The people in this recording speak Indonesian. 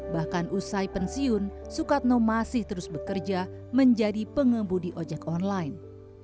bahkan usai pensiun sukatno masih terus bekerja menjadi pengemudi ojek online